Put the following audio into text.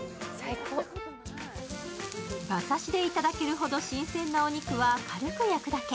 馬刺しでいただけるほど新鮮なお肉は軽く焼くだけ。